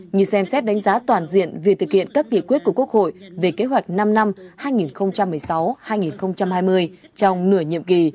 như xem xét đánh giá toàn diện việc thực hiện các nghị quyết của quốc hội về kế hoạch năm năm hai nghìn một mươi sáu hai nghìn hai mươi trong nửa nhiệm kỳ